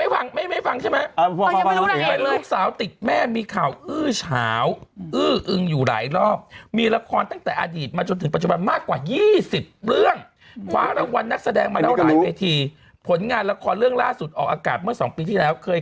เฮียเฮียเฮียเฮียเฮียเฮียเฮียเฮียเฮียเฮียเฮียเฮียเฮียเฮียเฮียเฮียเฮียเฮียเฮียเฮีย